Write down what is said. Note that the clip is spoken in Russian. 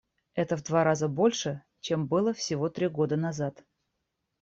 Это в два раза больше, чем было всего три года назад.